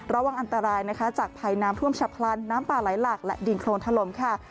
ระวังอันตรายนะคะจากภัยน้ำท่วมฉับพลันน้ำป่าไหลหลักและดินโครนถล่มค่ะ